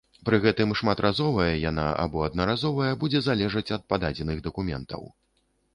Пры гэтым шматразовая яна або аднаразовая будзе залежаць ад пададзеных дакументаў.